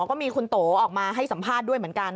ก็มีคุณโตออกมาให้สัมภาษณ์ด้วยเหมือนกัน